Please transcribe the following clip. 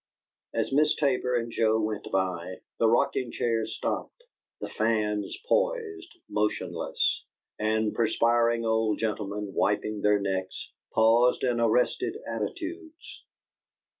As Miss Tabor and Joe went by, the rocking chairs stopped; the fans poised, motionless; and perspiring old gentlemen, wiping their necks, paused in arrested attitudes.